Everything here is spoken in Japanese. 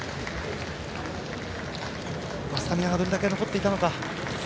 スタミナがどれだけ残っていたか。